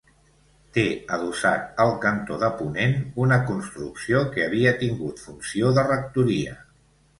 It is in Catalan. Té adossat, al cantó de ponent, una construcció que havia tingut funció de rectoria.